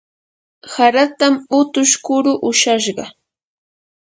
haratam utush kuru ushashqa.